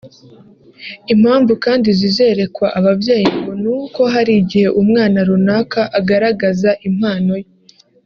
Impamvu kandi zizerekwa ababyeyi ngo ni uko hari igihe umwana runaka agaragaza impano ye